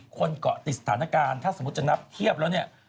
เกาะติดสถานการณ์ถ้าสมมุติจะนับเทียบแล้วเนี่ย